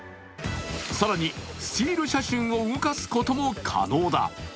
更に、スチール写真を動かすことも可能だ。